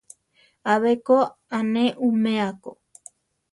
Abé ko a ne umea ko.